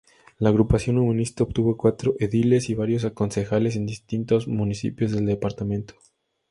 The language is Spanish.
La Agrupación Humanista obtuvo cuatro ediles y varios concejales en distintos municipios del departamento.